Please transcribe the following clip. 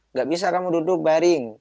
nggak bisa kamu duduk bareng